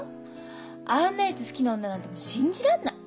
あんなやつ好きな女なんてもう信じらんない。